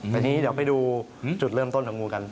แต่ทีนี้เดี๋ยวไปดูจุดเริ่มต้นของงูกัน